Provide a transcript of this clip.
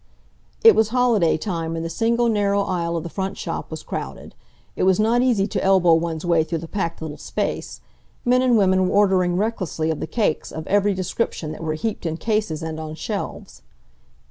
It was holiday time, and the single narrow aisle of the front shop was crowded. It was not easy to elbow one's way through the packed little space. Men and women were ordering recklessly of the cakes of every description that were heaped in cases and on shelves.